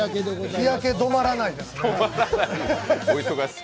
日焼け止まらないですね。